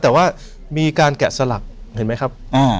แต่ว่ามีการแกะสลักเห็นไหมครับ